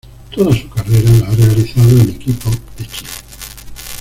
Toda su carrera la ha realizado en equipos de Chile.